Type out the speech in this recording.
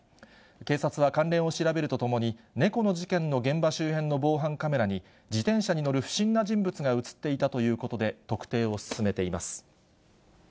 警察は関連を調べるとともに、猫の事件の現場周辺の防犯カメラに、自転車に乗る不審な人物が写っていたということで、特定を進めています。